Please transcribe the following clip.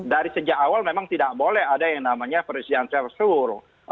dari sejak awal memang tidak boleh ada yang namanya presidential show